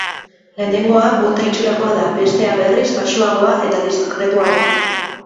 Lehenengoa bota itxurakoa da, bestea, berriz, baxuagoa eta diskretuagoa.